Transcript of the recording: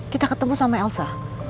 kita ketemu sama elsa